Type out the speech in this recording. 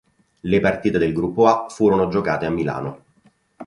Le partite del Gruppo A furono giocate a Milano.